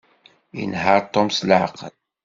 Inehheṛ Tom s leɛqel.